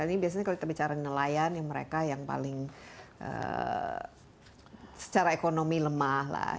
ini biasanya kalau kita bicara nelayan yang mereka yang paling secara ekonomi lemah lah